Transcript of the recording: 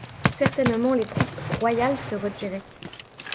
Certainement les troupes royales se retiraient.